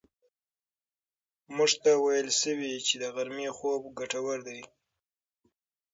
موږ ته ویل شوي چې د غرمې خوب ګټور دی.